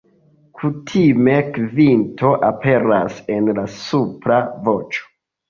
Kutime kvinto aperas en la supra voĉo.